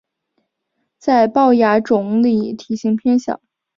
在豹亚种里体型偏小。